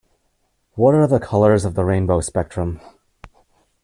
What are the colours of the rainbow spectrum?